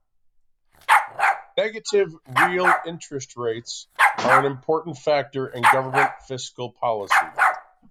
Negative real interest rates are an important factor in government fiscal policy.